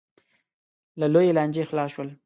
له لویې لانجې خلاص شول.